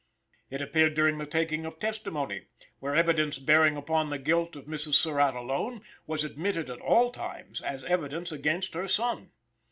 It appeared during the taking of testimony, where evidence bearing upon the guilt of Mrs. Surratt alone was admitted at all times as evidence against her son.